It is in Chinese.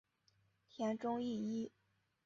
田中义一。